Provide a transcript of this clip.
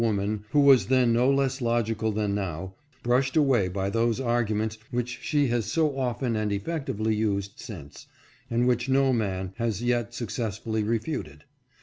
575 man, who was then no less logical than now, brushed away by those arguments which she has so often and effectively used since, and which no man lias yet success fully refuted.